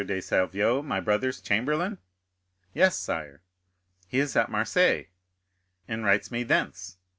de Salvieux, my brother's chamberlain?" "Yes, sire." "He is at Marseilles." "And writes me thence."